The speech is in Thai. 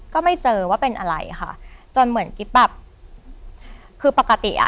ก็ไม่เจอว่าเป็นอะไรค่ะจนเหมือนกิ๊บแบบคือปกติอ่ะ